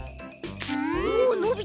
おのびた。